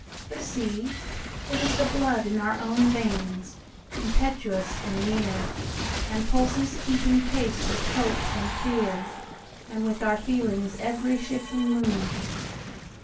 The sea? It is the bloodIn our own veins, impetuous and near, And pulses keeping pace with hope and fearAnd with our feeling's every shifting mood.